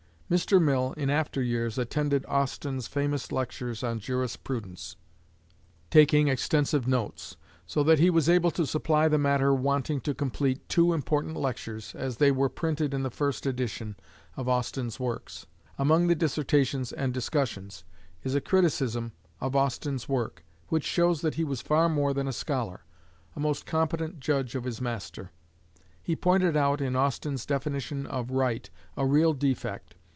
Mr. Mill, in after years, attended Austin's famous lectures on jurisprudence, taking extensive notes; so that he was able to supply the matter wanting to complete two important lectures, as they were printed in the first edition of Austin's works. Among the "Dissertations and Discussions," is a criticism of Austin's work, which shows that he was far more than a scholar, a most competent judge of his master. He pointed out in Austin's definition of "right" a real defect.